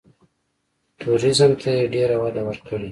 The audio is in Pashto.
ټوریزم ته یې ډېره وده ورکړې.